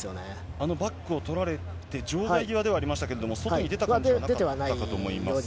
あのバックを取られて、場外際ではありましたけれども、外に出た感じはなかったと思いますが。